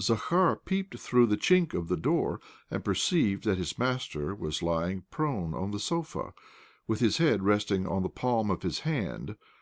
Zakhar peeped through the chink of the door, and perceived that his master was lying prone on the sofa, with his head resting on the palm of his hand.